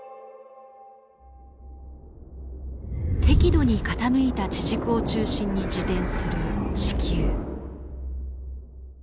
適度に傾いた地軸を中心に自転する地球。